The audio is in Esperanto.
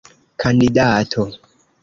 kandidato